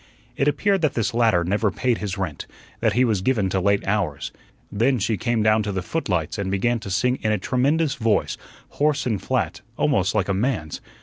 It appeared that this latter never paid his rent; that he was given to late hours. Then she came down to the footlights and began to sing in a tremendous voice, hoarse and flat, almost like a man's.